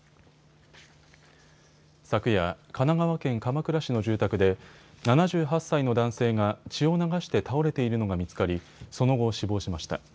昨夜、神奈川県鎌倉市の住宅で７８歳の男性が血を流して倒れているのが見つかりその後、死亡しました。